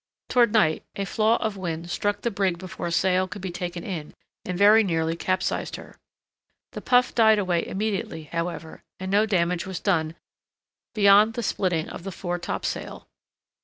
Toward night a flaw of wind struck the brig before sail could be taken in, and very nearly capsized her. The puff died away immediately, however, and no damage was done beyond the splitting of the foretopsail.